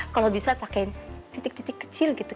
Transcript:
kalau bisa pakai titik titik kecil gitu